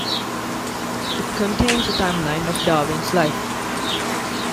It contains a timeline of Darwin's life.